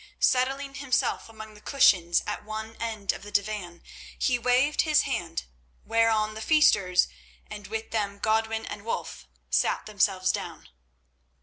Settling himself among the cushions at one end of the divan, he waved his hand, whereon the feasters, and with them Godwin and Wulf, sat themselves down.